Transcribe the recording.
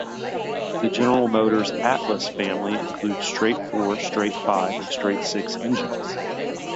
The General Motors "Atlas" family includes straight-four, straight-five, and straight-six engines.